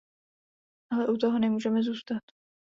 Ale u toho nemůžeme zůstat.